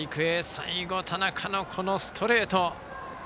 最後、田中の、このストレート。